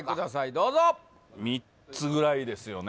どうぞ３つぐらいですよね